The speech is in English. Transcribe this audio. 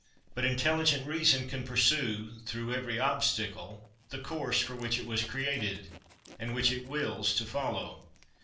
But intelligent reason can pursue through every obstacle the course for which it was created, and which it wills to follow.